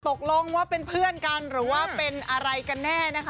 ตกลงว่าเป็นเพื่อนกันหรือว่าเป็นอะไรกันแน่นะคะ